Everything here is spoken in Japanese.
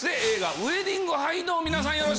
映画『ウェディング・ハイ』の皆さん